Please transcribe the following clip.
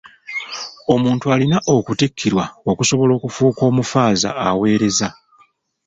Omuntu alina okutikkirwa okusobola okufuuka omufaaza aweereza.